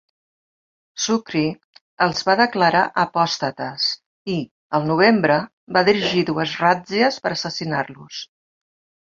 Sukri els va declarar apòstates i, al novembre, va dirigir dues ràtzies per assassinar-los.